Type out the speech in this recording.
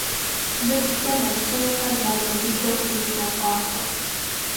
МылъкукӀэ нэпсейхэр мащӀэ дыдэ хъуну сохъуахъуэ!